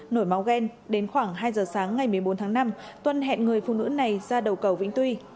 nổi máu ghen đến khoảng hai giờ sáng ngày một mươi bốn tháng năm tuân hẹn người phụ nữ này ra đầu cầu vĩnh tuy